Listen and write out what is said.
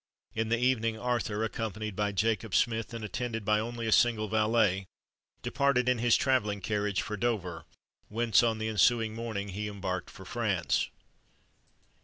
In the evening, Arthur, accompanied by Jacob Smith, and attended by only a single valet, departed in his travelling carriage for Dover, whence on the ensuing morning he embarked for France.